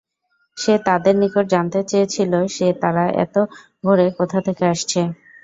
সে তাদের নিকট জানতে চেয়েছিল যে, তারা এত ভোরে কোথা থেকে আসছে।